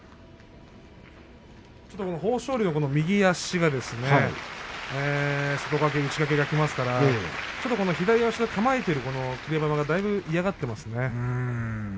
豊昇龍の右足が外掛け、内掛けがきますからちょっと左足の構えている霧馬山がだいぶ嫌がっていますね。